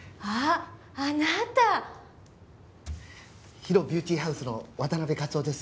ＨＩＲＯビューティーハウスの渡辺克夫です。